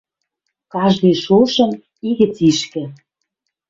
Каждый шошым и гӹц ишкӹ